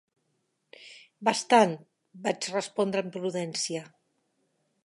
"Bastant", vaig respondre amb prudència.